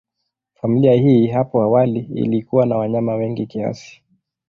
Familia hii hapo awali ilikuwa na wanyama wengi kiasi.